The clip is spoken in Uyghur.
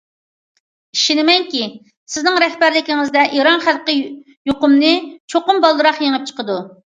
ئىشىنىمەنكى، سىزنىڭ رەھبەرلىكىڭىزدە ئىران خەلقى يۇقۇمنى چوقۇم بالدۇرراق يېڭىپ چىقىدۇ.